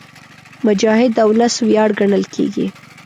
مجاهد د ولس ویاړ ګڼل کېږي.